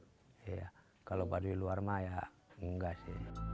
iya kalau baduy luar mah ya enggak sih